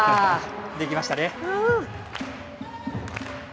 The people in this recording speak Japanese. できましたね。